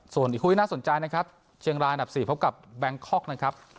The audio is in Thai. ส่วนอีกคู่ที่น่าสนใจนะครับเชียงรายอันดับ๔พบกับแบงคอกนะครับ